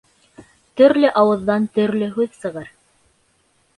Төрлө ауыҙҙан төрлө һүҙ сығыр.